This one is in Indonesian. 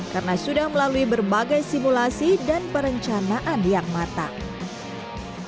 karena sudah melalui berbagai simulasi dan perencanaan yang matang